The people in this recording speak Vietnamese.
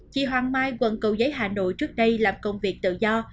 chị hoàng mai quận cầu giấy hà nội trước đây làm công việc tự do